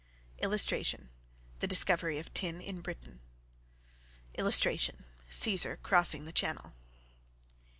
[Illustration: THE DISCOVERY OF TIN IN BRITAIN.] [Illustration: CAESAR CROSSING THE CHANNEL.